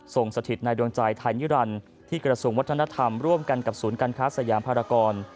สถิตในดวงใจไทยนิรันดิ์ที่กระทรวงวัฒนธรรมร่วมกันกับศูนย์การค้าสยามภารกร